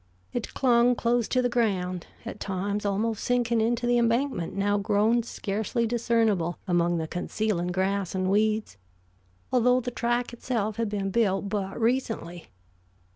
It clung close to the ground, at times almost sinking into the embankment now grown scarcely discernible among the concealing grass and weeds, although the track itself had been built but recently.